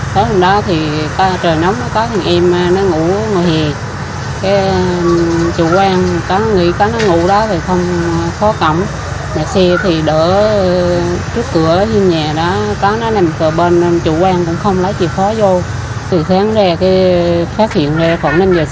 còn đây là trường hợp của anh nguyễn thịnh